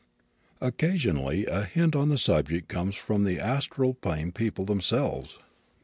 Occasionally a hint on the subject comes from the astral plane people themselves.